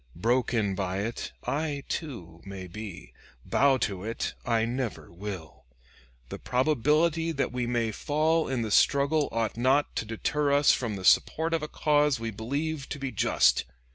Broken by it I, too, may be; bow to it, I never will. The probability that we may fall in the struggle ought not to deter us from the support of a cause we believe to be just.